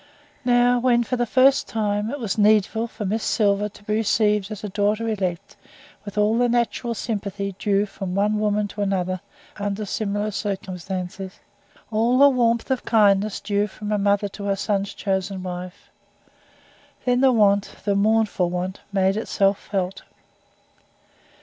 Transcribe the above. Now, when for the first time it was needful for Miss Silver to be received as a daughter elect, with all the natural sympathy due from one woman to another under similar circumstances, all the warmth of kindness due from a mother to her son's chosen wife then the want, the mournful want, made itself felt.